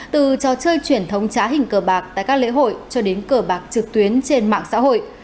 từ trò chơi truyền thống trá hình cờ bạc tại các lễ hội cho đến cờ bạc trực tuyến trên mạng xã hội